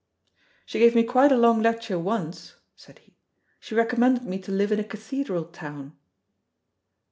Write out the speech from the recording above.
"She gave me quite a long lecture once," said he. "She recommended me to live in a cathedral town."